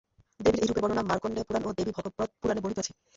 দেবীর এই রূপের বর্ণনা মার্কণ্ডেয় পুরাণ ও দেবীভাগবত পুরাণে বর্ণিত আছে।